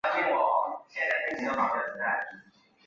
信丰县是中国江西省赣州市所辖的一个县。